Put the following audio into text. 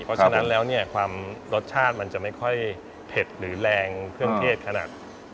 เพราะฉะนั้นแล้วเนี่ยความรสชาติมันจะไม่ค่อยเผ็ดหรือแรงเครื่องเทศขนาด